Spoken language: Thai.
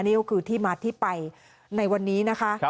นี่ก็คือที่มาที่ไปในวันนี้นะคะ